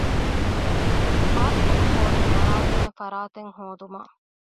ބާސްކެޓް ކޯޓެއް އަޅައިދޭނެ ފަރާތެއް ހޯދުމަށް